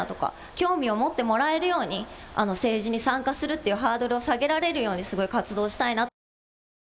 興味を持ってもらえるように、政治に参加するというハードルを下げられるようにすごい活動をしたいなと。